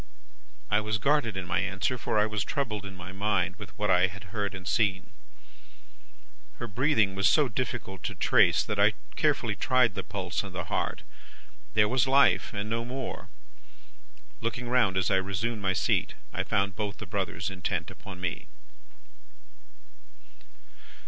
I was guarded in my answer, for I was troubled in my mind with what I had heard and seen. "Her breathing was so difficult to trace, that I carefully tried the pulse and the heart. There was life, and no more. Looking round as I resumed my seat, I found both the brothers intent upon me.